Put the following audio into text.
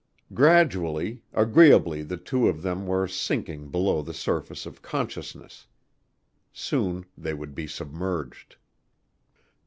Gradually, agreeably the two of them were sinking below the surface of consciousness. Soon they would be submerged.